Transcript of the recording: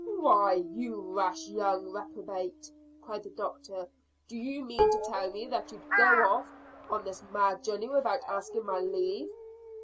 "Why, you rash young reprobate," cried the doctor. "Do you mean to tell me that you'd go off on this mad journey without asking my leave?"